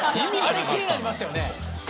あれ気になりましたよね。